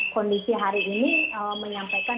kondisi hari ini menyampaikan